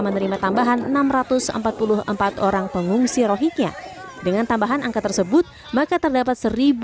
menerima tambahan enam ratus empat puluh empat orang pengungsi rohingya dengan tambahan angka tersebut maka terdapat